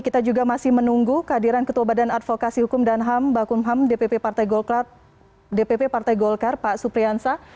kita juga masih menunggu kehadiran ketua badan advokasi hukum dan ham bakunham dpp partai dpp partai golkar pak supriyansa